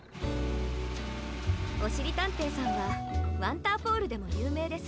おしりたんていさんはワンターポールでもゆうめいです。